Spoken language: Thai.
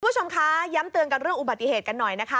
คุณผู้ชมคะย้ำเตือนกันเรื่องอุบัติเหตุกันหน่อยนะคะ